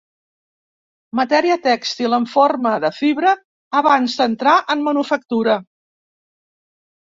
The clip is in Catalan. Matèria tèxtil en forma de fibra abans d'entrar en manufactura.